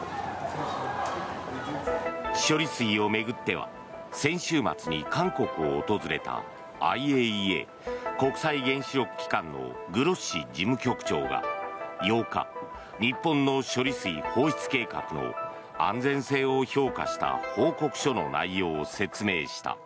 処理水を巡っては先週末に韓国を訪れたＩＡＥＡ・国際原子力機関のグロッシ事務局長が８日日本の処理水放出計画の安全性を評価した報告書の内容を説明した。